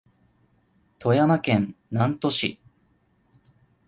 富山県南砺市